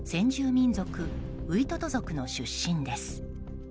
民族ウイトト族の出身です。